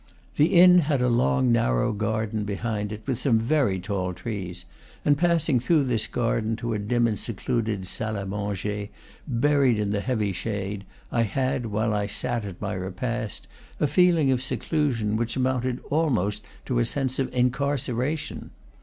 The inn had a long narrow garden behind it, with some very tall trees; and passing through this garden to a dim and secluded salle a manger, buried in the heavy shade, I had, while I sat at my repast, a feeling of seclusion which amounted almost to a sense of in carceration.